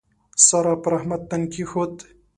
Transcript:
سارا پر احمد تن کېښود.